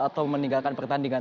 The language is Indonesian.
atau meninggalkan pertandingan